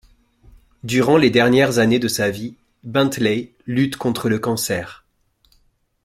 Durant les dernières années de sa vie, Bentley lutte contre le cancer.